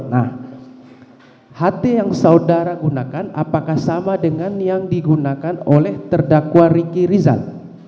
nah ht yang saudara gunakan apakah sama dengan yang digunakan oleh terdakwa riki rizal